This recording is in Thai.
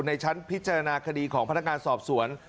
ในชั้นพิจารณาคดีของพนักงานสอบสวน